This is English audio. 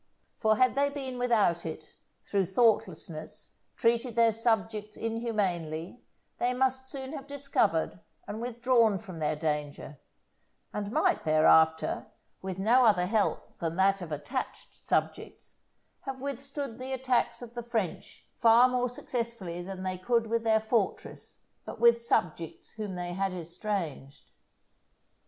For had they being without it, through thoughtlessness, treated their subjects inhumanely, they must soon have discovered and withdrawn from their danger; and might, thereafter, with no other help than that of attached subjects, have withstood the attacks of the French far more successfully than they could with their fortress, but with subjects whom they had estranged.